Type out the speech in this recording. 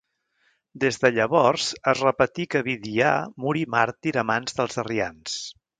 Des de llavors, es repetí que Vidià morí màrtir a mans dels arrians.